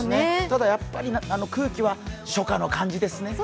ただ、空気は初夏の感じですね。